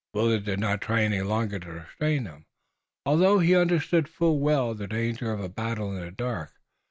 Willet did not try any longer to restrain them, although he understood full well the danger of a battle in the dark.